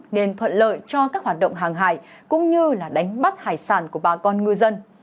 nên thuận lợi cho các hoạt động hàng hải cũng như là đánh bắt hải sản của bà con ngư dân